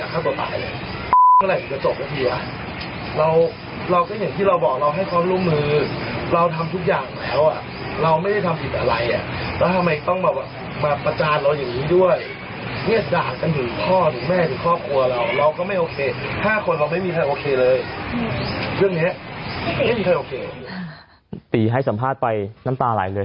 ตรีให้สัมภาษณ์ไปตีละตีงั้นตายใหล่ดด้วย